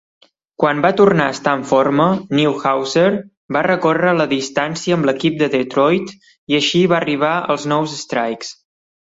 Quan va tornar a estar en formar, Newhouser va recórrer la distància amb l'equip de Detroit i així va arribar als nou strikes.